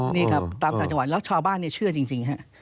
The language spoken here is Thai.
นี่ครับตามต่างจังหวัดแล้วชาวบ้านเชื่อจริงฮะ